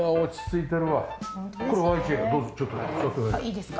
いいですか？